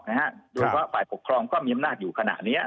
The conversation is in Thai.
ดูว่าภายปกครองก็มีอำนาจอยู่ขณะนี้